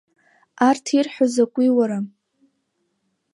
Арҭ ирҳәо закәи, уара?!